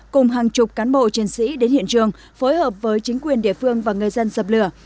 cùng hàng chục cán bộ chiến sĩ đến hiện trường phối hợp với chính quyền địa phương và người dân dập lửa